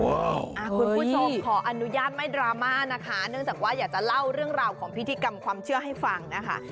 คุณผู้ชมขออนุญาตไม่ดราม่านะคะเนื่องจากว่าอยากจะเล่าเรื่องราวของพิธีกรรมความเชื่อให้ฟังนะคะ